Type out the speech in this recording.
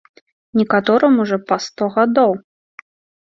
Некаторым ужо па сто гадоў!